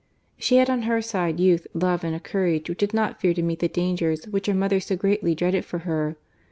She had on her side youth, love, and a courage which did not fear to meet the dangers which her mother so greatly dreaded for her.